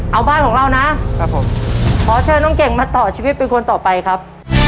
เอาบ้านของเรานะครับผมขอเชิญน้องเก่งมาต่อชีวิตเป็นคนต่อไปครับ